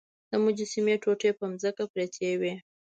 د مجسمې ټوټې په ځمکه پرتې وې.